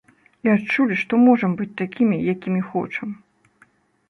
І адчулі, што можам быць такімі, якімі хочам.